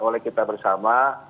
oleh kita bersama